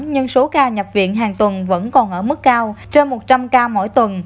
nhưng số ca nhập viện hàng tuần vẫn còn ở mức cao trên một trăm linh ca mỗi tuần